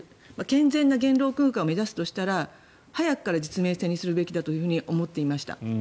健全な言論空間を目指すとしたら早くから実名制にするべきだと思っていました。